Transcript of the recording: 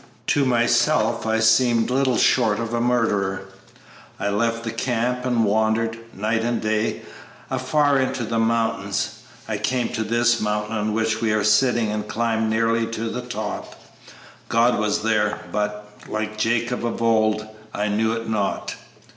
To myself I seemed little short of a murderer. I left the camp and wandered, night and day, afar into the mountains. I came to this mountain on which we are sitting and climbed nearly to the top. God was there, but, like Jacob of old, 'I knew it not.'